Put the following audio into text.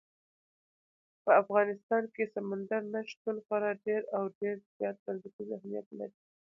په افغانستان کې سمندر نه شتون خورا ډېر او ډېر زیات بنسټیز اهمیت لري.